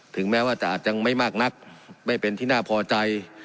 แม้ว่าจะอาจจะไม่มากนักไม่เป็นที่น่าพอใจ